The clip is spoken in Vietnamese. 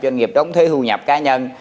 doanh nghiệp đóng thuế thu nhập cá nhân